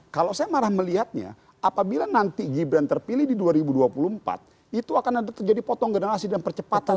kalau saya marah melihatnya apabila nanti gibran terpilih di dua ribu dua puluh empat itu akan ada terjadi potong generasi dan percepatan